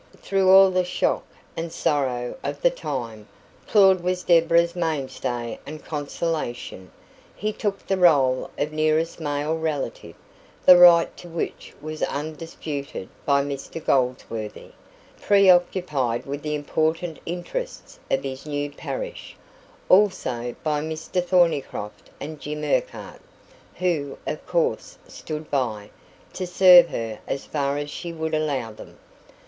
Through all the shock and sorrow of the time, Claud was Deborah's mainstay and consolation. He took the role of nearest male relative, the right to which was undisputed by Mr Goldsworthy, preoccupied with the important interests of his new parish; also by Mr Thornycroft and Jim Urquhart, who, of course, "stood by" to serve her as far as she would allow them.